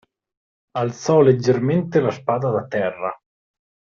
Alzò leggermente la spada da terra.